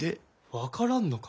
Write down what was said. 分からぬのか？